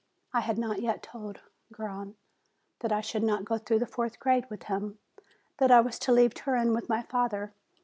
I had not yet told Garrone 344 JULY that I should not go through the fourth grade with him, that I was to leave Turin with my father.